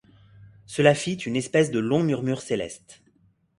Cela fit une espèce de long murmure céleste.